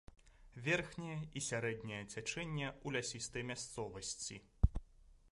Верхняе і сярэдняе цячэнне ў лясістай мясцовасці.